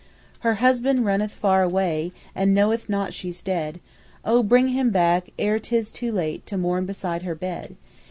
"Her husband runneth far away And knoweth not she's dead. Oh, bring him back ere tis too late To mourn beside her bed.